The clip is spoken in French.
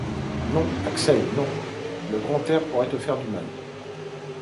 Non, Axel, non ! le grand air pourrait te faire du mal.